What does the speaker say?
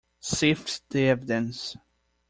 Sift the evidence.